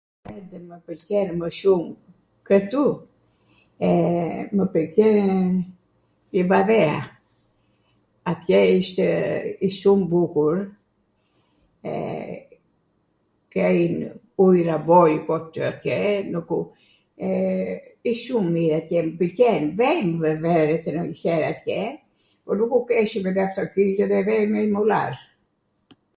Cw mw pwlqen mw shum kwtu? Mw pwlqen Livadhea. Atje ishtw, ish shum bukur, kejn ujra boliko atje, ish shum mir atje, mw pwlqen, vejm nw ver ndonjwher atje , po nuku keshwm aftoqinito edhe vejm me mullar.